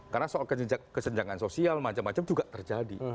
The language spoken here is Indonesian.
karena soal kesenjangan sosial macam macam juga terjadi